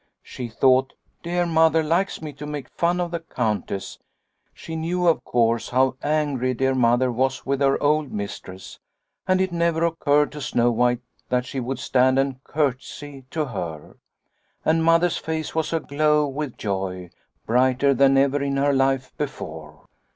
She thought ' Dear Mother likes me to make fun of the Countess/ She knew, of course, how angry dear Mother was with her old mistress, and it never occurred to Snow White that she would stand and curtsey to her. And Mother's face was aglow with joy, brighter than ever in her life before.